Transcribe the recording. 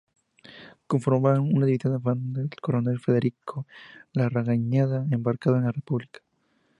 Conformaban una división al mando del coronel Federico Larrañaga, embarcado en la "República".